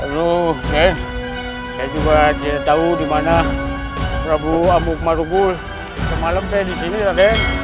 loh den saya juga tidak tahu di mana prabu wak mukmarugul semalam den di sini den